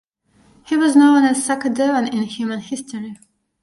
He was known as Sakadevan in human history.